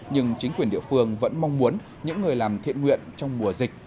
nhưng chính quyền địa phương vẫn mong muốn những người làm thiện nguyện trong mùa dịch